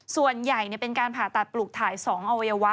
ส่วนใหญ่เป็นการผ่าตัดปลูกถ่าย๒อวัยวะ